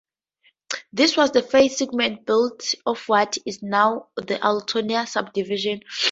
This was the first segment built of what is now the Altoona Subdivision.